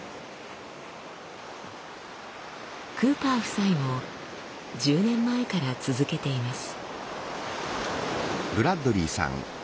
クーパー夫妻も１０年前から続けています。